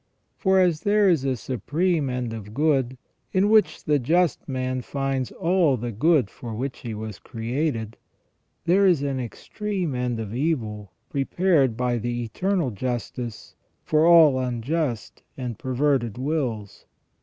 For as there is a supreme end of good, in which the just man finds all the good for which he was created, there is an extreme end of evil prepared by the Eternal Justice for all unjust and perverted wills.